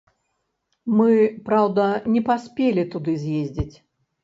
Мы, праўда, не паспелі туды з'ездзіць.